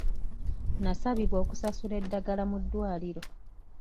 Nasabibwa okusasula eddagala mu ddwaliro.